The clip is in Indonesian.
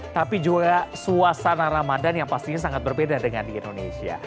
tapi juga suasana ramadan yang pastinya sangat berbeda dengan di indonesia